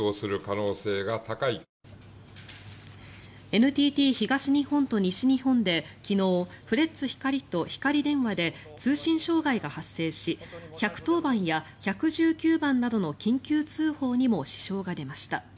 ＮＴＴ東日本と西日本で昨日フレッツ光とひかり電話で通信障害が発生し１１０番や１１９番などの緊急通報にも支障が出ました。